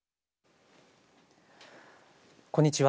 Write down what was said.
こんにちは。